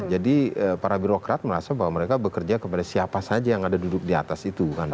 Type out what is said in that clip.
jadi para birokrat merasa bahwa mereka bekerja kepada siapa saja yang ada duduk di atas itu kan